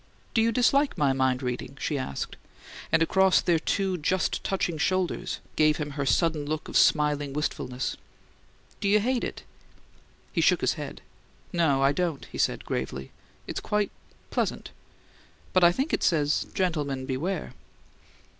"Do you dislike my mind reading?" she asked, and, across their two just touching shoulders, gave him her sudden look of smiling wistfulness. "Do you hate it?" He shook his head. "No, I don't," he said, gravely. "It's quite pleasant. But I think it says, 'Gentlemen, beware!'"